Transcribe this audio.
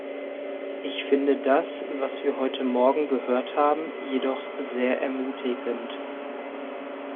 Ich finde das, was wir heute morgen gehört haben, jedoch sehr ermutigend.